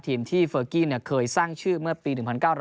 ทีมที่เฟอร์กี้เคยสร้างชื่อเมื่อปี๑๙๙